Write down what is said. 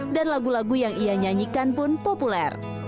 dan lagu lagu yang ia nyanyikan pun populer